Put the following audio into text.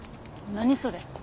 何それ。